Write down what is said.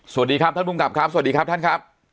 สวัสดีครับท่านภูมิกับครับสวัสดีครับท่านครับ